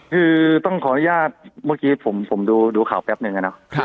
คือต้องขออนุญาตเมื่อกี้ผมดูข่าวแป๊บนึง